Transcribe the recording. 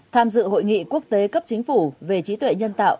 tham dự hội nghị quốc tế cấp chính phủ về trí tuệ nhân tạo